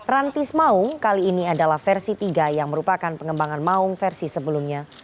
rantis maung kali ini adalah versi tiga yang merupakan pengembangan maung versi sebelumnya